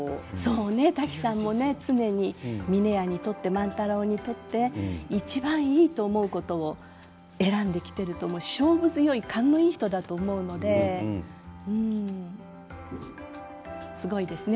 タキさんも峰屋にとって万太郎にとって１番いいと思うことを選んできていると勝負強い、勘のいい人だと思うのですごいですね。